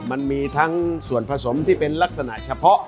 มันมีทั้งส่วนผสมที่เป็นลักษณะเฉพาะ